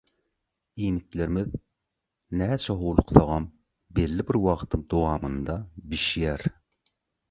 Iýmitlerimiz näçe howluksagam belli bir wagtyň dowamynda bişýär